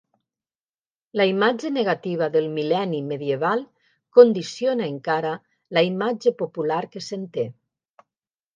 La imatge negativa del mil·lenni medieval condiciona encara la imatge popular que se'n té.